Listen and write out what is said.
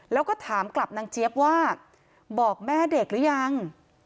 แล้วก็ถามกลับนางเจี๊ยบว่าบอกแม่เด็กหรือยัง